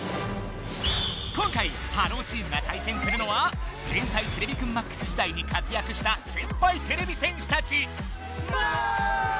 今回ハローチームが対戦するのは「天才てれびくんＭＡＸ」時代に活躍した先輩てれび戦士たち。